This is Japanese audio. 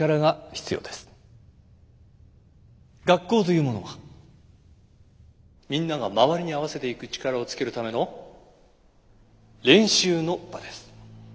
学校というものはみんなが周りに合わせていく力をつけるための練習の場です。